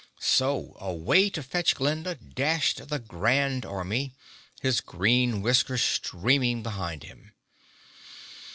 So away to fetch Glinda dashed the Grand Army, his green whiskers streaming behind him.